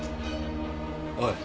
おい。